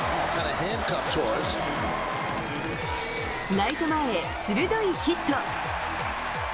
ライト前へ鋭いヒット。